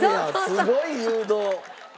すごい誘導！